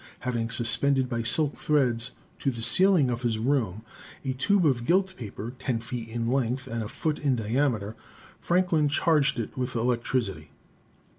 Having suspended by silk threads to the ceiling of his room a tube of gilt paper, 10 feet in length and a foot in diameter, Franklin charged it with electricity.